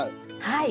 はい。